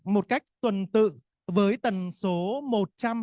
một cách tuần tự với tần số